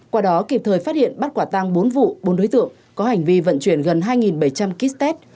qua đó kịp thời phát hiện bắt quả tăng bốn vụ bốn đối tượng có hành vi vận chuyển gần hai bảy trăm linh kit test